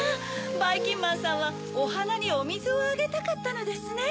ばいきんまんさんはおはなにおみずをあげたかったのですね！